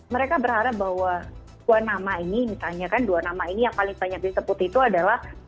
mereka berharap bahwa dua nama ini misalnya kan dua nama ini yang paling banyak disebut itu adalah